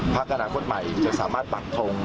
พักอนาคตใหม่จะสามารถปักทง